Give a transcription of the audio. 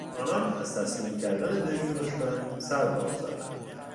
آنان از تسلیم کردن دژ به دشمن سرباز زدند.